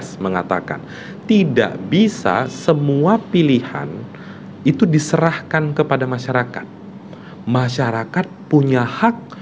bagaimana kita semua bisa mencoblos